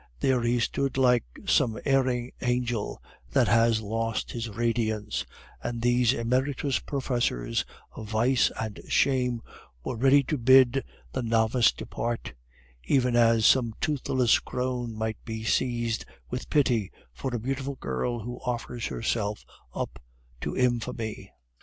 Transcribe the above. There he stood like some erring angel that has lost his radiance; and these emeritus professors of vice and shame were ready to bid the novice depart, even as some toothless crone might be seized with pity for a beautiful girl who offers herself up to infamy.